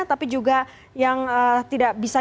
tapi juga yang tidak bisa